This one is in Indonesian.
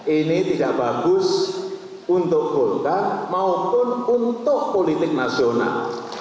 ini tidak bagus untuk golkar maupun untuk politik nasional